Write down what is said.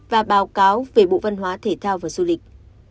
và báo cáo về bộ văn hóa thể thao và du lịch